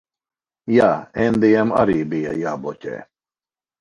Jā. Endijam arī bija jābloķē.